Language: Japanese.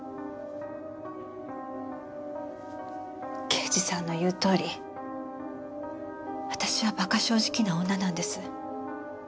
刑事さんの言うとおり私は馬鹿正直な女なんです。